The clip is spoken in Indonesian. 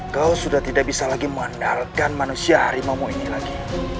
kau sudah tidak bisa lagi mengandalkan manusia harimaumu ini lagi